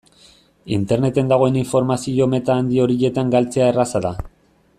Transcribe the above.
Interneten dagoen informazio-meta handi horietan galtzea erraza da.